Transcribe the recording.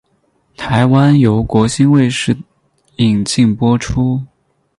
台湾由国兴卫视引进播出。